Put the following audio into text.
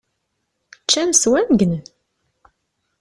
Ččan swan gnen!